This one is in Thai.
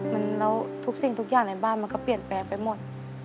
แล้วทุกสิ่งทุกอย่างในบ้านมันก็เปลี่ยนแปลงไปหมด